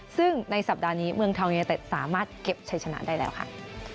ซึ่งในสัปดาห์นี้เมืองทองยูเนเต็ดสามารถเก็บชัยชนะได้แล้วค่ะ